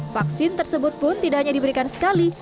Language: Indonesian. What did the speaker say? vaksin tersebut pun tidak hanya diberikan sekali